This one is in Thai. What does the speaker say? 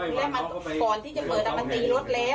แล้วมันก่อนที่จะเปิดมันตีรถแล้ว